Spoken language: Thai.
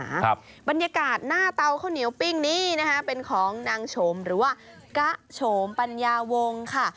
ครับบรรยากาศหน้าเตาข้าวเหนียวปิ้งนี้นะคะเป็นของนางโฉมหรือว่ากะโฉมปัญญาวงค่ะ